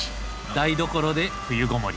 台所で冬ごもり。